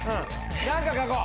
何か書こう。